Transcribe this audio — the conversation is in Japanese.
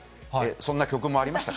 そんな曲もありましたが。